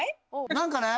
何かね